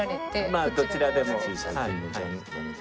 まあどちらでも。